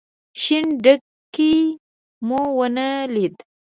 شين ډکی مو ونه ليد.